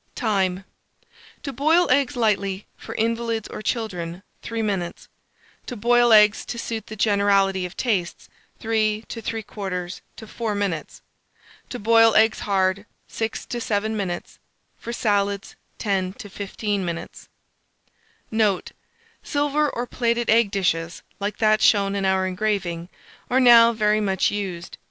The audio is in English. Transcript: Time. To boil eggs lightly, for invalids or children, 3 minutes; to boil eggs to suit the generality of tastes, 3 3/4 to 4 minutes; to boil eggs hard, 6 to 7 minutes; for salads, 10 to 15 minutes. Note. Silver or plated egg dishes, like that shown in our engraving, are now very much used.